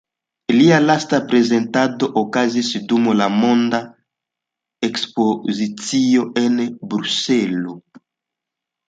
Lia lasta prezentado okazis dum la Monda Ekspozicio en Bruselo.